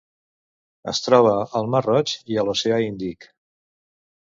Es troba al Mar Roig i a l'Oceà Índic.